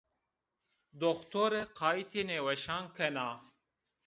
Doktore qayîtê nêweşan kena